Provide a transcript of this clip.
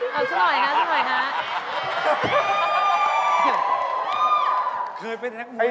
ขอส่วนหน่อยครับ